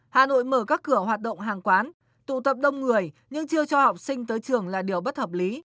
hà nội mở các cửa hoạt động hàng quán tụ tập đông người nhưng chưa cho học sinh tới trường là điều bất hợp lý